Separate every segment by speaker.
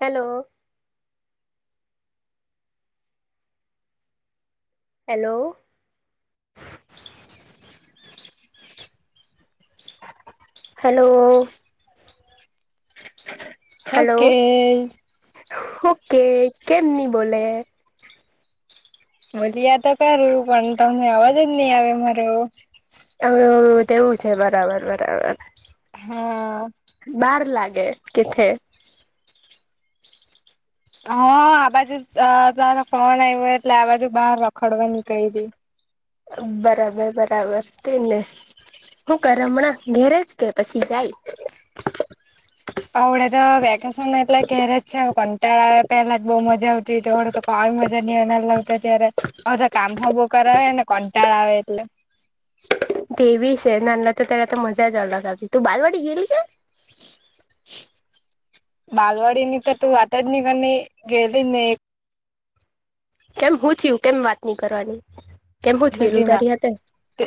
Speaker 1: Hello hello
Speaker 2: [inaudible]
Speaker 1: hello
Speaker 2: હુ કે
Speaker 1: હુ કે કેમ ની બોલે
Speaker 2: ભોલિયા તો કરું પણ તમને અવાજ જ નહી આવે મારો
Speaker 1: હ તેવું છે બરાબર બરાબર
Speaker 2: હા
Speaker 1: બાર લાગે કેથે
Speaker 2: હા આ બાજુ તાર ફોન આવ્યો એટલે આ બાજુ બહાર રખડવા નીકયડી
Speaker 1: બરાબર બરાબર તે ને હું કરે હમણાં ઘેરે જ કે પછી જાય
Speaker 2: હવડે તો વેકેશન એટલે ઘેરે જ છે કંટડો પેલા જ બઉુ મજા આવતી તોડે તો કઈજ મજા લાવતા ત્યારેધ કામ હો બો કરાવને કંટાળ આવે એટલે
Speaker 1: તેવી છે નાના તો ત્યારે તો મજા જ અલગ આવતી તું બારવાડી ગેલી છે
Speaker 2: બાલવાડીની તો તું વાતા જ નહી ક ગેલી નહી
Speaker 1: કેમ શું થયું કેમ વાત નની કરવાની કેમ શું થયુંલું
Speaker 2: બધી માં
Speaker 1: તારી હાતે
Speaker 2: તે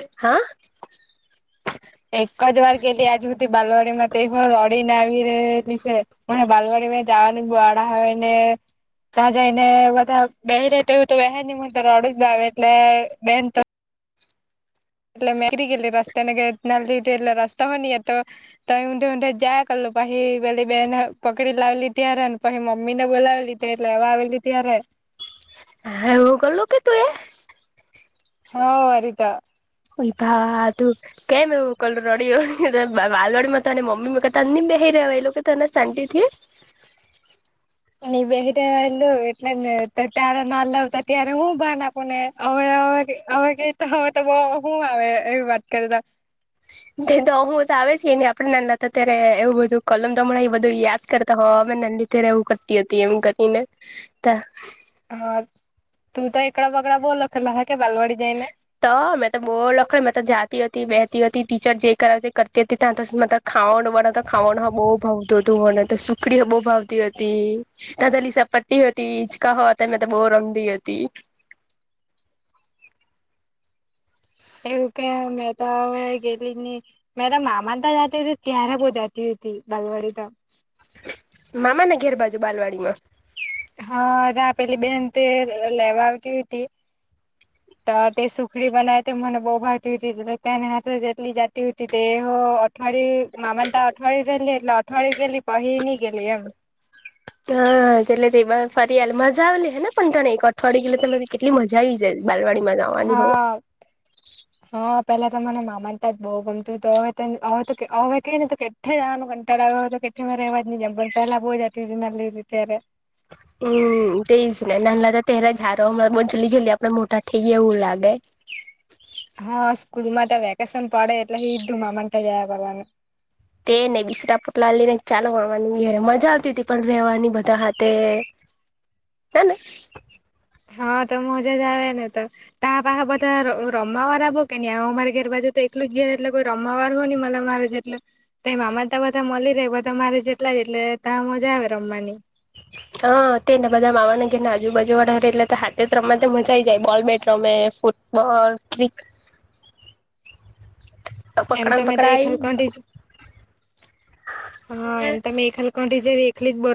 Speaker 2: એક જ વાર ગે લી આજ હધ બાલવાડીમાંત હ રડી નાવી ર સ મ બાલવાડી તમે જવાનું બો આડો હોય ને ત્યાં જઈને બધા બે ર તોું તો વહેન ની મ રડ જ આવે એટલે બેન તો એટલે મે નિકરી ગલી રસ્તે નેલ્દીટલે રસ્તા હો નની તો ત ઉધે ઊધે જ કર તો પછી પેલી બે ને પકડી લાવલી ત્યારે ને પછી મમ્મી ને બોલાવેલી ત એટલે હવા આવેલી ત્યારે
Speaker 1: હ હવું કેલું કે તું એ
Speaker 2: હા વરીતો
Speaker 1: ભા તું કેમ એવું ક રડી રડી વા રડીમાં અને મમ્મી ત બે હ એ લોકો કે તને શાંતિથી
Speaker 2: બેલ એટલેને તો ત્યારે ના લાવતા ત્યારે હું ભાન આપણ ને હવે કે તો હવે તો બઉ હવું આવે એવી વાત કરતા
Speaker 1: તો હું તો આવે છે એ ને આપડે નાના હતા અત્યારે એવું બધું કલમ તમણા એ બધું યાદ કરતા હોમે [unintelligible]
Speaker 2: હા તું તો એકકડા બગડા બો લખેલા હોહે
Speaker 1: તો મેં તો બહુ લખડ મેં તો જાતી હતી બેતી હતી ટીચર જે કરતી હતી ત્યા ખાવાનું ખાવાનો બહુ ભાવતુ મને કડીઓ બહુ ભાવતી હતી નાંધાલી સપટ્ટી હતી ઈચકા હતા મેં બહ રમતી હતી. [inaudible]
Speaker 2: એવું કે મેં તો હ ગેલી ન મે મામા ત જતી હોય ત્યારે બહ જતી [unintelligible] બગવાડી ત [unintelligible]
Speaker 1: મામા ઘેર બાજુ બાલવાડીમાં
Speaker 2: હા પેલી બેન તે લેવા આવતી હતી.
Speaker 1: ત... [inaudible]
Speaker 2: તો તે સુખડી બનાવ તે મને બહુ ભાવતી હોતી તેને હા જેટલી જતી હતી તે હો અવા મામા તા અઠવાિયેલી એટલે અઠવાળય ગેલી પહીની ગે એમ
Speaker 1: હા એટલે તે ફરી હ મજાલી છે ને પણ તને એક અઠવાડિયેલે તને કેટલી મજા આવી જાય. બાલવાડી માં જવાની હો
Speaker 2: હા હા પેલા ત મને મામાનતા જ બહુ ગમતું હતું હવેવે તો હવે કઈ નને કેટલે જવાનું કંટાળ આવ્યો હતો [unintelligible] મારે એવાજ નહી જ પણ પેલા બહુ જતી ના લીધી ત્ય [unintelligible]
Speaker 1: હમ તેજ ને નાન લતાા પરા ઝારો હમણાં બ જલ્લી જલ્લી આપડે મોટા થઈ ગયા એવું લાગે. હ [inaudible]
Speaker 2: હા સ્કૂલમાં વેકેશન પડે એટલે સીધું મામાન ગયા કરવાનું.
Speaker 1: તેને બિસરા પટલા લઈને ચાલો માણવાનીય મજા આવતી હતી પણ રવાની બધા હાથે હેને
Speaker 2: હા તો મજા જ આવે ને તો તા પાસેાપછ રમાવારબો કે ન આ અમારે ઘેર બાજુ એટલું ઘેર એટલે કોઈ રમવાર હોય મ મારે જેટલ ત મામા ત બધા મળી રહેે બધા મારે જેટલા એટલે ત્યાં મજા આવે રમવાની.
Speaker 1: હ [inaudible] હ તે ને બધા મામાવાના ઘરના આજુાજુ વાળા હ એટલે તો હાતે જ રમ તો મજાઈ જાય બોલ બેટ રમે ફૂ બ ક [unintelligible]
Speaker 2: એમ તોમે તો એક હ એમ તો [unintelligible] પણી જે વેલી જ બ [unintelligible]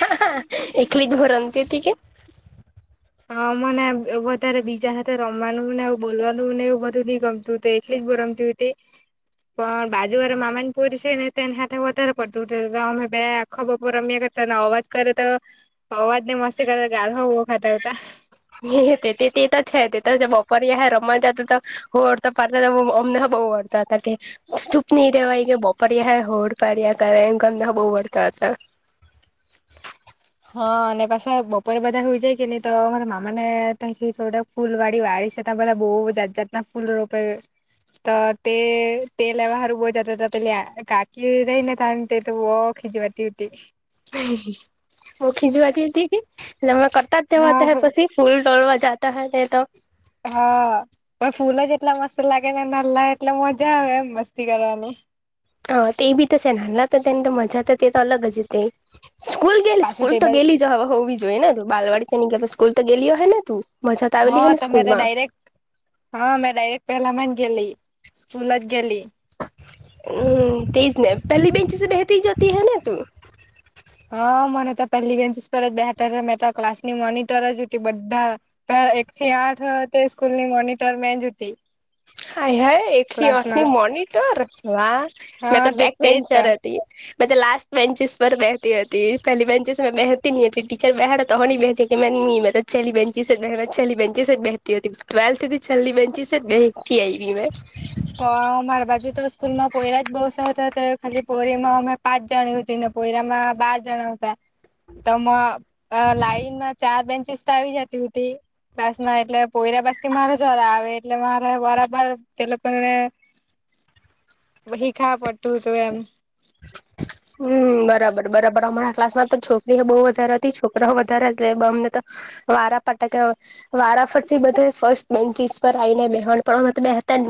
Speaker 1: હ એકલી જ ભરતી કે [unintelligible]
Speaker 2: હા મને વધારે બીજા સાથે રમવાનું નેું બોલવાનું ને એવું બધું નઈ ગમતું હત એટલે બરામતી તે પણ બાજુવારે મામા ને પ છે ને તેને હથે વધતારે પડ અમે બે‌ આખા બપોર રમાય ત અવાજ કરે તો અવાજ ને મસ્તી કરે તો ગાઢ હોો ખાતાતા.
Speaker 1: હ તે તે તો છે તે તો બપર હ રમ [unintelligible] જ તો હોડ તો પ અમને બહ વળતા હતા કે ચૂપ નની રેવાય કે બોપડ્યા હોડ પડ્યા કર એમ ગમના બહ વળતા હતા. [inaudible]
Speaker 2: હા અને પાછા બપરે બધા હોઈ જાય કે ન તોર મામા ને ત ફૂલ વાડી વાળી સ ત બધા બહુ જાત જાતના ફૂલ રોપે તો તે તેલ બારું બો જ ત કાકી રહીને થ તો ીજવાતી ઉટી
Speaker 1: ઓ ખીજવાથી હતી કેટ હમણા કરતા જ તેવા ત
Speaker 2: હા
Speaker 1: પછી ફૂલ તોોડવા જતા હ તો
Speaker 2: હા પણ ફૂલો જ એટલા મસ્ત લાગે ને ન લ એટલે મજા આવે એમ મસ્તી કરવાની.
Speaker 1: હ તે એ બી તોશે નાલા તો તેને તો મજા તે તો અલગ જ તે સ્કૂલ ગેલી
Speaker 2: પાછું
Speaker 1: સ્કૂલ
Speaker 2: તે
Speaker 1: તો
Speaker 2: બાજ
Speaker 1: ગેલી જ હવે હોવી જોઈએ ને બાલવાડીીની સ્કલ તો ગલ હો હ ને તું મજા તો આવેલી હે
Speaker 2: હા
Speaker 1: ને
Speaker 2: તોમેરે
Speaker 1: સ્કૂલમાં
Speaker 2: ડાયરેક્ટ હા મેં ડાયરેક્ટ પેલા મા ગે સ્કૂલ જ ગેલી
Speaker 1: પહેલી બેંચીસે બહેતીરી જતી હૈ ને તું
Speaker 2: હા મને પહેલી બેન્ચસ પર જ બેરમે ક્લાસ ની મોનટર જ બધા એક થી આઠ સ્કૂલ ની મોનિટર મે જ હતી.
Speaker 1: હા હ એકલી
Speaker 2: ક્લાસ
Speaker 1: આંખની
Speaker 2: ના
Speaker 1: મોનિટર વાહ મેં
Speaker 2: હા
Speaker 1: તો
Speaker 2: તે
Speaker 1: બેક
Speaker 2: જ
Speaker 1: વેન્ચર
Speaker 2: તો
Speaker 1: હતી. મે તો લાસ્ટ બેચેસ પર બેતી હતી પહેલી બેન્ચેસ મેં બેતી ન હતી ટીચર બ બેઠડા તો હ નની બેઠ કે મે ની ચલ્લી બેંચી સ બ ચલ્લી બેંચી સ બ બેતી હો હતીલ ચલ્લી બંચી સ બેતી
Speaker 2: કો માર બાજ તો સ્કૂલમાંયરા જ બહુ સ થ હતા ખાલી પોરીમાં અમે પાંચ જણી ને પોયરામાં બાર જણા આવ હતા તો લાઈનમાં ચાર બેન્ચિસ આવી જતી હતી ક્લાસમાં એટલે પોરા પસ થી મારે જરા આવે એટલે મારે બરાબર તે લોકોનેને શીખા પડતું હતું એમ
Speaker 1: હમ બરાબર બરાબર હમણાં ક્લાસ માં તો છોકરીઓ બહુ વધારે હતી છોકરાઓ વધારે હતા અમને તો વારાફાટા કે વારાફટ થી બધા ફર્સ્ટ બેન્ચીસ પર આવીઈને બેહણ પણ બેતા ન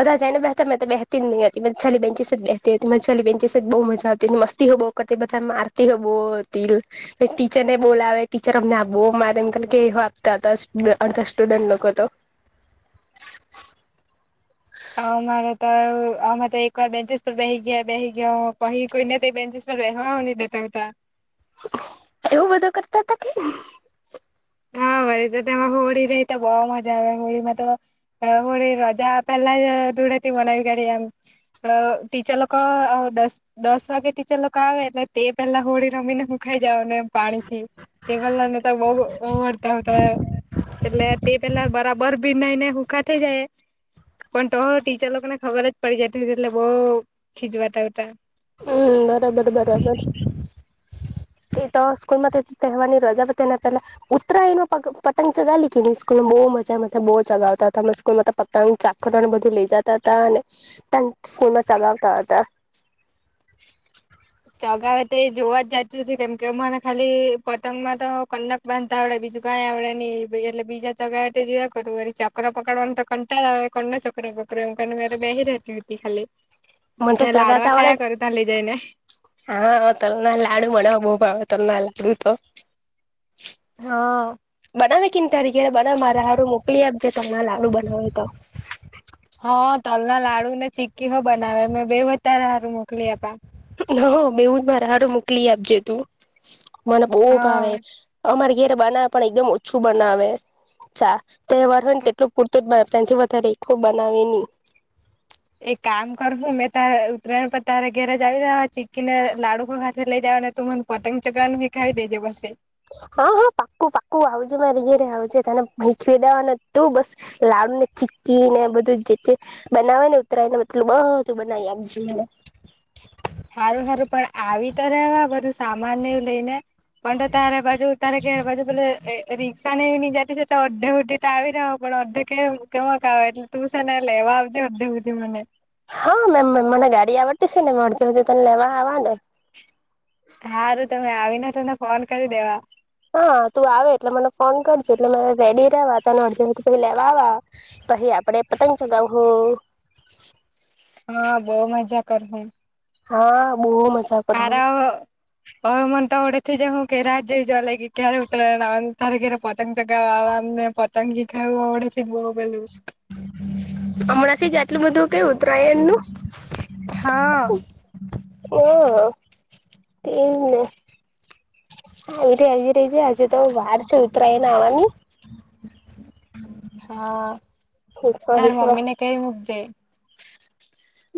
Speaker 1: બધા જ ને બેતા બેહેતી જ નહી હતી માલી બેન્ચસ જ બેહેતી હતી માલી બેન્ચ જ બહુ મજા ની મસ્તી હોો કરતી બધા મારતી હોો હતી ટીચર ને બોલાવે ટીચર અમને આપ મારે અંકલ કે આપતા હતા અડધા સ્ટુડન્ટ લોકો તો
Speaker 2: હ તો એક વાર બેન્ચસ પર બે ગયા બેસી ગયા કહી કોઈને તો બેન્ચસ પર બેવા ન દેતા
Speaker 1: એવું બધું કરતા હતા કે
Speaker 2: હારી તો તેમાં હોળી રે તો બઉ મજા આવે હોળીમાં તો હોળી રજા પેલા દુડા બના ગઢ ટીચર લોકો દસ દસ વાગે ટીચર લોકો આવે એટલે તે પેલા હોળી રમીને મખાઈ જાવ ને પાણીથી તે પેલાને તો બહ એટલે તે પેલા બરાબર ભીનાઈને હુકા થઈ જાય પણ તો ટીચર લોકોને ખબર જ પડી જતી એટલે બઉ ખીજવાતાા
Speaker 1: હમ એ તો સ્કૂલ માં તહેવાર ની રજા તેને પેલા ઉત્તરાયણ નો પતંગ ચગાલી કે નહી સ્કૂલમાં બહુ મજા મ બહુ ચગાવતા હતા હમ સ્કૂલમાં પતંગ ચાકરને બધું લઇ જતા હતા અને સ્કૂલમાં ચલાવતા હતા
Speaker 2: ચોગાવ તો જોવા જતી કેમ કે મને ખાલી પતંગ માં તો કનક બાંધતા આવડે બીજું કઈ આવડે નિ એટલે બીજા જગા એટ જ ક કર ચકર પકડવાનુંને તો કંટા ક ચક પકડ પ્રંકાને મેરે બે રતી હતી ખાલી
Speaker 1: મને તો
Speaker 2: મે
Speaker 1: ચગાવતા
Speaker 2: લાડવા
Speaker 1: આવડે
Speaker 2: ખાયા કર ત લઈ જાયને
Speaker 1: હા તલના લાડુ મળવા બહ ભાવ તલનાર લાડુ તો
Speaker 2: હા
Speaker 1: નાવે ક તારીકે બધ મારે હાડું મોકલી આપજે તો લાડુ બનાવે તો
Speaker 2: તલ ના લાડુ ને ચી્કી હો બનાવે મેં બે વધારે સારું મોકલી આપ્યા
Speaker 1: હ મેવું જ મારા હડું મોકલી આપજે તું મને બહ
Speaker 2: હા
Speaker 1: ભાવે અમારે ઘરે બનાવે પણ એકદમ ઓછું બનાવે ચા તહેવાર હોય ને તેટલું પૂરતું જ ત્યાંથી વધારે એકું બનાવે નહી
Speaker 2: એક કામ કરું મેં ત ઉત્તરાયણ પર તાર ઘેરે જાવ રહ્યા ચીકી ને લાડુકો ઘા લઈ જ તું મને પતંગ ચગન વ ખાય દેજે બસે
Speaker 1: હ હા હા પાક્કું પાકું આવજે મારે ઘયરે આવજે તને મખવી દેવાનું તું બસ લાડુ ને ચી ને બધું જે બનાવે ને ઉતરાય ને મતલું બધું બનાવી આપજને
Speaker 2: સારું સારું પણ આવી તો રહેવા બધું સામાનને એું લઈને પણ તારે બાજુતારે કે બાજુ પલે રિક્ષા ને એવી ન જ ટ તો અધે ઉઢી તા ભી ના હ કોણ અધે કે કે મકા એટલે તું સને લેવા આવજ અધે ઉુધી મને
Speaker 1: હા મેમ મને ગાડી આવડતી છે ને અડધ વધધી તને લેવા આવવા ને
Speaker 2: હાાર તમે આવીને તને ફોન કરી દેવા
Speaker 1: હા તું આવે એટલે મને ફોન કરજ એટલે રેડી રહેવા તને અડધેય પ લેવાવા પછ આપડે પતંગ ચગાવ હોું
Speaker 2: હા બહ મજા કરશ
Speaker 1: હા બહુ મજા
Speaker 2: હાર
Speaker 1: કરહું
Speaker 2: હ મને તોડ તે જે હું કે રાહત જઈ જવા લ ક્યારે ઉત્તરાયણ આવેવા તારે ઘરે પતંગ ચગાવવા આવેને પતંગી આવડે છે બોવ બધુ.
Speaker 1: હમણાંથિ જ આટલું બધું કય ઉતરાયણ નું
Speaker 2: હા
Speaker 1: હ તે જ ને આવી રી હજી રહી જાય હજે તો વાર છે ઉતરાયને આવવાની [inaudible]
Speaker 2: હા તાર મમ્મી ને કઈ મક દે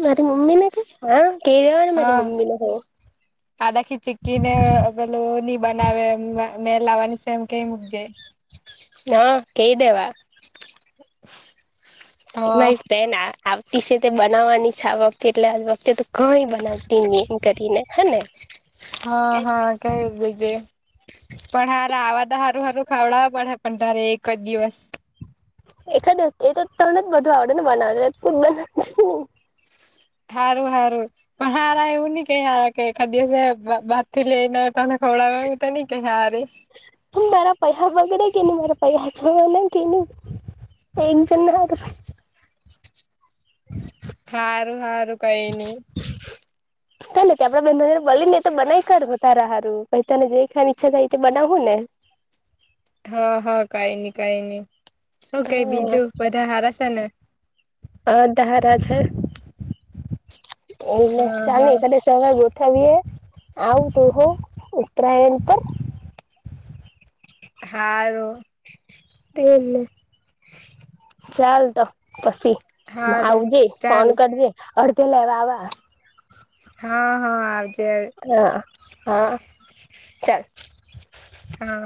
Speaker 1: મારી મમ્મી ને હા ક દેવા મારી મમ્મી ને હોવ
Speaker 2: અાકી ચીકીનેલ બનાવે મે લાવવાની છે એમ કઈ મૂક જાય
Speaker 1: હા કઈ દેવા
Speaker 2: હ [inaudible]
Speaker 1: મારી ફ્રેન્ડ આવતી છે તે બનાવવાની આ વખતે એટલે આજ વખતે તો કઈ બનાવતી ને એમ કરીને હે ને.
Speaker 2: હા હા કઈજ પણ હાર આવા તાર- સારું સારું ખાવડાવ પડે પણ તારે એક જ દિવસ
Speaker 1: એાદ એ તો તણને જ બધું આવડે ને બનાવ બ
Speaker 2: હારું હારું પણ હારા એવ ન કેઈ હારા કે ખાદી છે બાંધ એ તને ખવડાવવા હ તો નહી ક સારી
Speaker 1: મારા પહ્યા બગડે કે ન મારા પૈ્યા જ બગના કે ન [unintelligible] એ જના હ [inaudible]
Speaker 2: સારું સારું કઈ નઈ
Speaker 1: [inaudible] કાને કે આપડા બેનજ બો ને એ તો બનાવી કા તારા હારું પ તને જે ખવા ઈચ્છા થાય એ બનાવવું ને. [inaudible]
Speaker 2: હા હા કઈ નહી કઈ નહી
Speaker 1: હા
Speaker 2: ને
Speaker 1: અ ધારા છે. એલે
Speaker 2: હા હા
Speaker 1: ચાલ સવારે ગોઠવીએ આવ તોું હો ઉત્તરાયણ પણ
Speaker 2: હ
Speaker 1: તે જને ચાલ તો પછી
Speaker 2: હારું
Speaker 1: આવજે ફોન
Speaker 2: ચાલ
Speaker 1: કરજે અડધે લેવાવા
Speaker 2: હા હા આવજ
Speaker 1: હા હા ચાલ
Speaker 2: હા